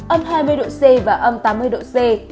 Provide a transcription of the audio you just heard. âm hai mươi độ c và âm tám mươi độ c